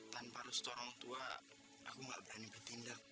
tanpa ilustu orang tua aku nggak berani bertindak